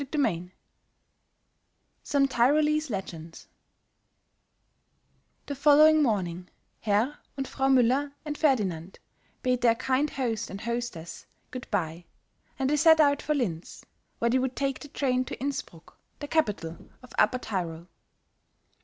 CHAPTER V SOME TYROLESE LEGENDS THE following morning Herr and Frau Müller and Ferdinand bade their kind host and hostess good by and they set out for Linz, where they would take the train to Innsbruck, the capital of Upper Tyrol.